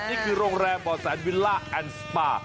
นี่คือโรงแรมบ่อแสนวิลล่าแอนด์สปา